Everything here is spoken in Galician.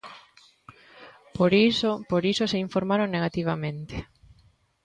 Por iso, por iso se informaron negativamente.